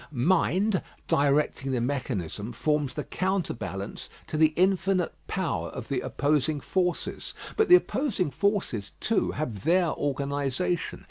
Mind, directing the mechanism, forms the counterbalance to the infinite power of the opposing forces. But the opposing forces, too, have their organisation.